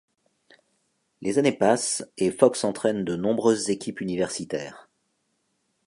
Les années passent et Fox entraîne de nombreuses équipes universitaires.